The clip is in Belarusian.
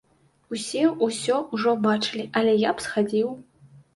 Усе ўсё ўжо бачылі, але я б схадзіў.